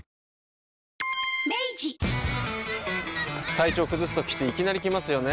体調崩すときっていきなり来ますよね。